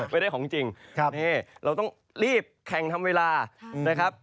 ไม่ได้ของจริงเราต้องรีบแข่งทำเวลานะครับ